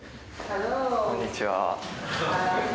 こんにちは。